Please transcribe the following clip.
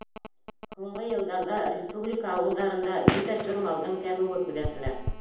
Һуңғы йылдарҙа республика ауылдарында бөтә төр малдың кәмеүе күҙәтелә.